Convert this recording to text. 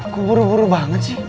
aku buru buru banget sih